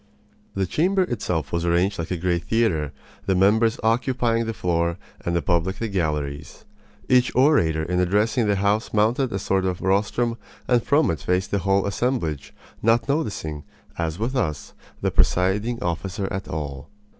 The chamber itself was arranged like a great theater, the members occupying the floor and the public the galleries. Each orator in addressing the house mounted a sort of rostrum and from it faced the whole assemblage, not noticing, as with us, the presiding officer at all.